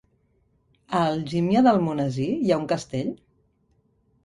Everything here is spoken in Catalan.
A Algímia d'Almonesir hi ha un castell?